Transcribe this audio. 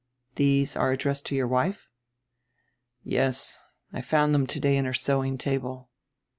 "These are addressed to your wife?" "Yes. I found diem today in her sewing table."